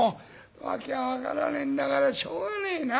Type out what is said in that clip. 訳が分からねえんだからしょうがねえな。